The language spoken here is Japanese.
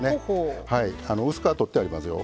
薄皮取ってありますよ。